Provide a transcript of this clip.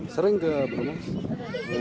sering ke bromo